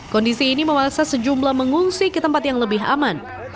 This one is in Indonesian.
kondisi ini memaksa sejumlah mengungsi ke tempat yang lebih aman